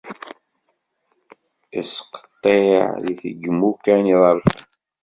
Isqiṭṭiɛ deg yimukan iḍerfen.